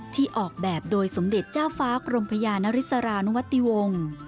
ที่ออกแบบโดยสมเด็จเจ้าฟ้ากรมพญานริสรานุวติวงศ์